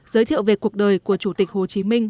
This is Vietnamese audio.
giới thiệu về cuộc đời của chủ tịch hồ chí minh